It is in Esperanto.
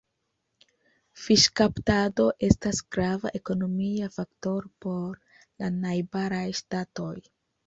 Fiŝkaptado estas grava ekonomia faktoro por la najbaraj ŝtatoj.